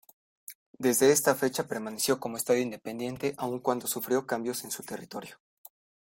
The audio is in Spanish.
Desde esta fecha permaneció como estado independiente aun cuando sufrió cambios en su territorio.